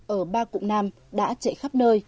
ở ba cụng nam đã chạy khắp nơi